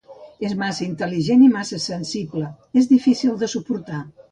És massa intel·ligent i massa sensible; és difícil de suportar.